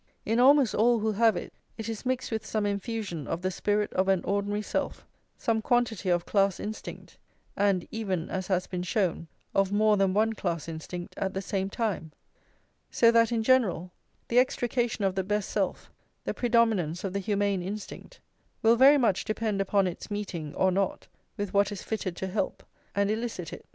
In almost all who have it, it is mixed with some infusion of the spirit of an ordinary self, some quantity of class instinct, and even, as has been shown, of more than one class instinct at the same time; so that, in general, the extrication of the best self, the predominance of the humane instinct, will very much depend upon its meeting, or not, with what is fitted to help and elicit it.